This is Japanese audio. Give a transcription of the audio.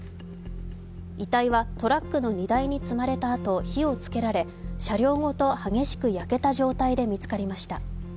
遺体はトラックの荷台に積まれたあと火をつけられ車両ごと激しく焼けた状態で見つかりました。